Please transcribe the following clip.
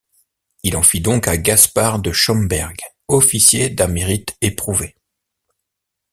Il en fit don à Gaspard de Schomberg, officier d'un mérite éprouvé.